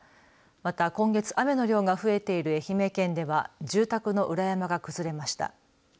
また、今月雨の量が増えている愛媛県では住宅の裏山が崩れました。